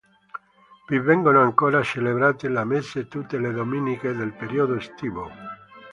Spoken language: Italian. Vi vengono ancora celebrate le messe tutte le domeniche nel periodo estivo.